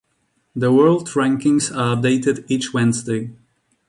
The world rankings are updated each Wednesday.